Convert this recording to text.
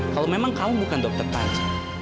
kalau memang kamu bukan dokter taj